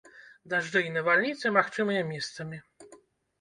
Дажджы і навальніцы магчымыя месцамі.